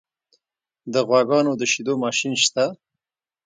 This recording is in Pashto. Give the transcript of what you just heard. د غواګانو د شیدو ماشین شته؟